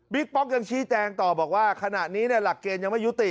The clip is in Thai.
ป๊อกยังชี้แจงต่อบอกว่าขณะนี้หลักเกณฑ์ยังไม่ยุติ